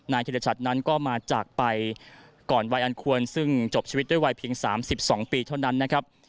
ธิรชัดนั้นก็มาจากไปก่อนวัยอันควรซึ่งจบชีวิตด้วยวัยเพียง๓๒ปีเท่านั้นนะครับ